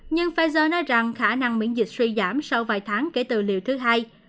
nhưng pfizer nói rằng khả năng miễn dịch suy giảm sau vài tháng kể từ liều thứ hai